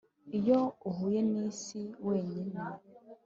iyo uhuye n'isi wenyine